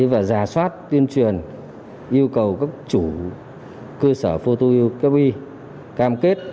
và giả soát tuyên truyền yêu cầu các chủ cơ sở phô tuyên truyền cam kết